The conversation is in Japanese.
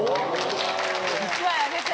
１枚あげて。